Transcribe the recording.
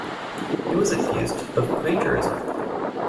He was accused of plagiarism.